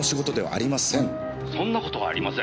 「そんな事はありません」